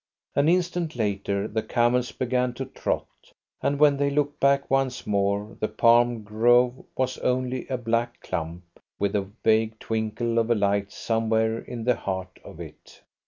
An instant later, the camels began to trot, and when they looked back once more the palm grove was only a black clump with the vague twinkle of a light somewhere in the heart of it.